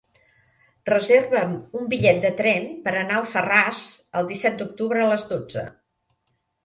Reserva'm un bitllet de tren per anar a Alfarràs el disset d'octubre a les dotze.